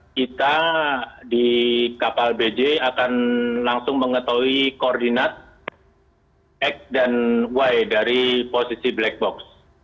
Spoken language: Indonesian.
kita di kapal bj akan langsung mengetahui koordinat x dan y dari posisi black box